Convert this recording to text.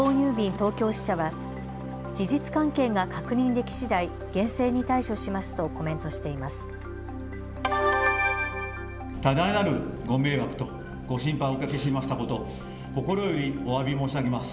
東京支社は事実関係が確認できしだい厳正に対処しますとコメントしています。